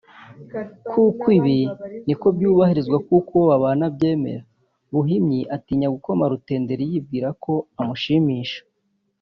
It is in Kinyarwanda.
Kandi ibi niko byubahirizwa kuko uwo babana abyemera buhimyi atinya gukoma rutenderi yibwira ko amushimisha